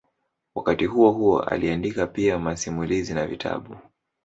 Wakati huohuo aliandika pia masimulizi na vitabu.